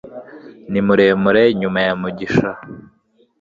Ni muremure, nyuma ya Mugisha